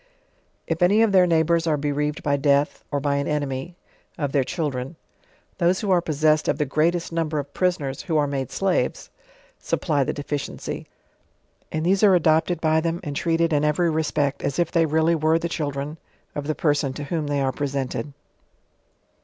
If any of their neighbours are bereaved by death, or by an enemy, of their children, those who are possessed of the greatest number of prisoners, who are made slaves, supply the deficiency: and these are adopted by them and treated in every respect as if they really were the children of the person to whom they are presented.